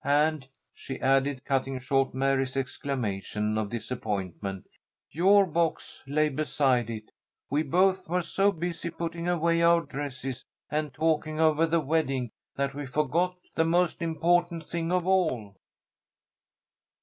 And," she added, cutting short Mary's exclamation of disappointment, "your box lay beside it. We both were so busy putting away our dresses, and talking over the wedding that we forgot the most important thing of all."